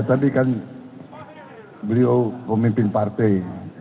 tapi kan beliau pemimpin partai